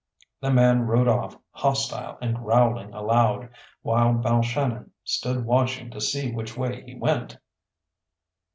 The man rode off hostile and growling aloud, while Balshannon stood watching to see which way he went.